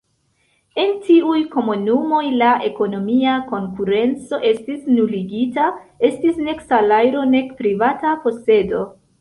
En tiuj komunumoj la ekonomia konkurenco estis nuligita, estis nek salajro nek privata posedo.